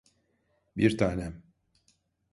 Bir tanem.